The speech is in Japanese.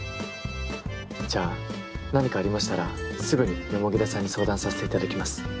じゃあ何かありましたらすぐに田さんに相談させていただきます。